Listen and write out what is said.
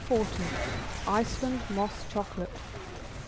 =Iceland Moss Chocolate.